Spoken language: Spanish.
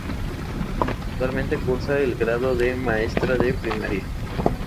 Actualmente cursa el Grado de Maestra de Primaria.